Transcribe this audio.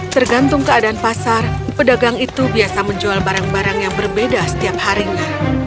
tergantung keadaan pasar pedagang itu biasa menjual barang barang yang berbeda setiap harinya